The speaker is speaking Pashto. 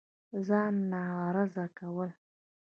ځان ناغرضه كول